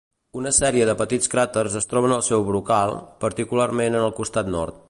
Una sèrie de petits cràters es troben el seu brocal, particularment en el costat nord.